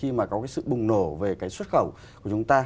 tại đây khi mà có cái sự bùng nổ về cái xuất khẩu của chúng ta